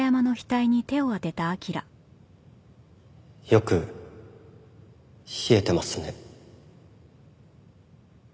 よく冷えてますね。